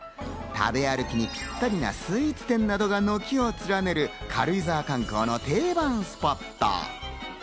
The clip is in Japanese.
食べ歩きにぴったりなスイーツ店などが軒を連ねる軽井沢観光の定番スポット。